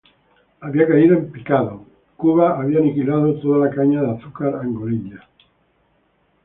Había caído en picado, Cuba había aniquilado toda la caña de azúcar angoleña.